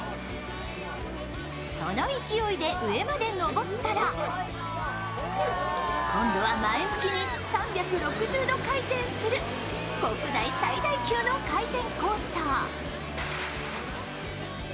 その勢いで上まで上ったら今度は前向きに３６０度回転する国内最大級の回転コースター。